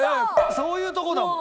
そういうとこだもん。